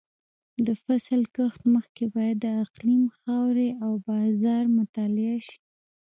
د فصل کښت مخکې باید د اقلیم، خاورې او بازار مطالعه وشي.